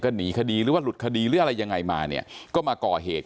หนีคดีหรือว่าหลุดคดีหรืออะไรยังไงมาเนี่ยก็มาก่อเหตุ